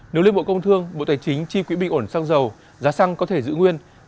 nếu liên bộ công thương bộ tài chính chi quỹ bình ổn xăng dầu giá xăng có thể giữ nguyên